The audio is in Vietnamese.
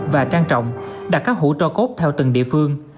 và trang trọng đặt các hữu trò cốt theo từng địa phương